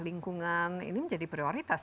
lingkungan ini menjadi prioritas